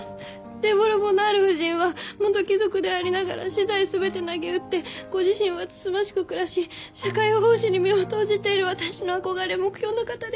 デボラ・ボナール夫人は元貴族でありながら私財全てなげうってご自身はつつましく暮らし社会奉仕に身を投じている私の憧れ目標の方です。